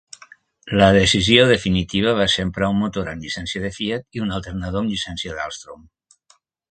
La decisió definitiva va ser emprar un motor amb llicència de Fiat i un alternador amb llicència d'Alsthrom.